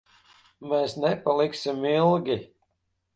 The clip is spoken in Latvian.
Mēs nepaliksim ilgi.